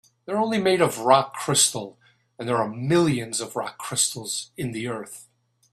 They're only made of rock crystal, and there are millions of rock crystals in the earth.